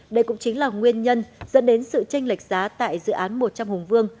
đây cũng chính là nguyên nhân dẫn đến sự tranh lệch giá tại dự án một trăm linh hùng vương